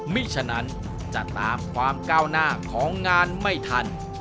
ฉะนั้นจะตามความก้าวหน้าของงานไม่ทัน